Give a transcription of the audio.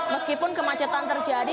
meskipun kemacetan terjadi